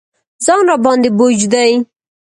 ځان راباندې بوج دی.